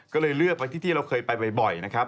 ก็เลยเลือกไปที่ที่เราเคยไปบ่อยนะครับ